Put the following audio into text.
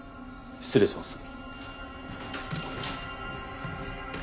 失礼します。